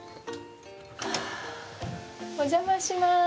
お邪魔します。